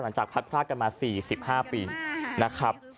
หลังจากพัดพลาดกันมา๔๕ปีนะครับ